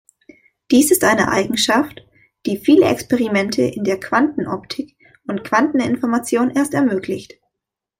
Dies ist eine Eigenschaft, die viele Experimente in der Quantenoptik und Quanteninformation erst ermöglicht.